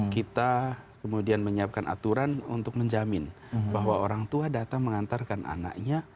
kita kemudian menyiapkan aturan untuk menjamin bahwa orang tua datang mengantarkan anaknya